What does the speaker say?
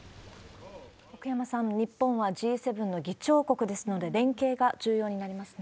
奥山さん、日本はＧ７の議長国ですので、連携が重要になりますね。